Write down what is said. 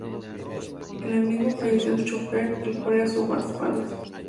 En el mismo falleció su chofer el cual era su guardaespaldas.